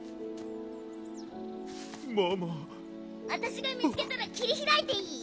あたしが見つけたら切り開いていい？